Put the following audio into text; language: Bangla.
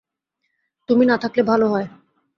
তুমি না থাকলে ভালো হয়।